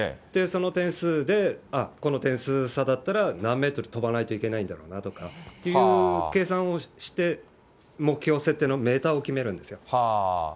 その点数で、あっ、この点数差だったら、何メートル飛ばないといけないんだろうなとか、計算をして、目標設定のメーターを決めるんですよ。